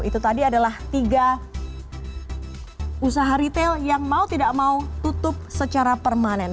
itu tadi adalah tiga usaha retail yang mau tidak mau tutup secara permanen